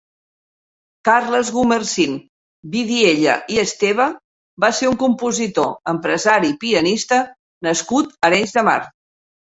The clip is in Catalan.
Carles Gumersind Vidiella i Esteba va ser un compositor, empresari i pianista nascut a Arenys de Mar.